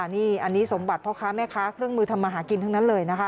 นี่อันนี้สมบัติพ่อค้าแม่ค้าเครื่องมือทำมาหากินทั้งนั้นเลยนะคะ